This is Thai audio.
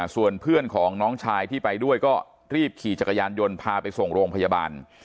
ส่วนเพื่อนของน้องชายที่ไปด้วยก็รีบขี่จักรยานยนต์พาไปส่งโรงพยาบาล